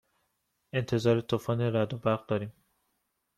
انتظار طوفان رعد و برق داریم.